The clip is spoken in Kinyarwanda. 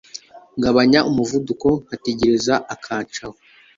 ngabanya umuvuduko nkategereza akancaho